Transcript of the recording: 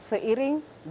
kesehatan yang kedua